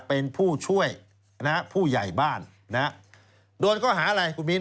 เป็นผู้ช่วยนะฮะผู้ใหญ่บ้านนะฮะโดนข้อหาอะไรคุณมิน